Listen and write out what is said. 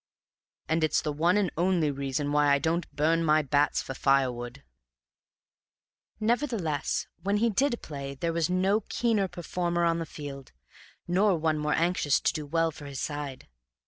And it's the one and only reason why I don't burn my bats for firewood." Nevertheless, when he did play there was no keener performer on the field, nor one more anxious to do well for his side.